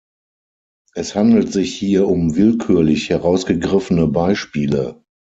Es handelt sich hier um willkürlich herausgegriffene Beispiele.